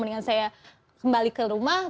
mendingan saya kembali ke rumah